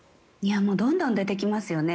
どんどん出てきますよね。